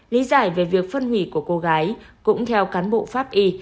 lý giải về việc phân hủy của cô gái cũng theo cán bộ pháp y